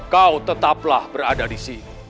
kau tetaplah berada di sini